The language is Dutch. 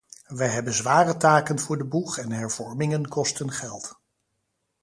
Wij hebben zware taken voor de boeg en hervormingen kosten geld.